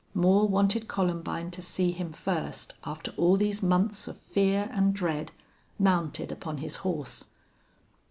Moore wanted Columbine to see him first, after all these months of fear and dread, mounted upon his horse.